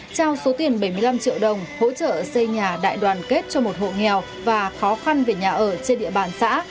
trao số tiền bảy mươi năm triệu đồng hỗ trợ xây nhà đại đoàn kết cho một hộ nghèo và khó khăn về nhà ở trên địa bàn xã